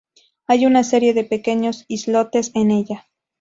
Hay una serie de pequeños islotes en ella.